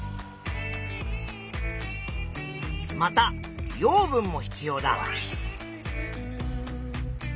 また養分も必要だ。